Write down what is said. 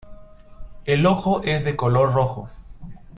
El ojo es de color rojo.